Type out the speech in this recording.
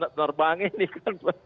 terbang ini kan